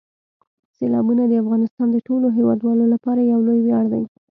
سیلابونه د افغانستان د ټولو هیوادوالو لپاره یو لوی ویاړ دی.